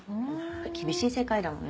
厳しい世界だもんね。